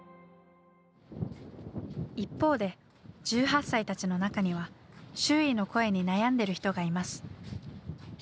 一方で１８歳たちの中には周囲の声に悩んでる人がいます。